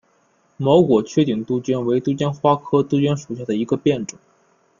毛果缺顶杜鹃为杜鹃花科杜鹃属下的一个变种。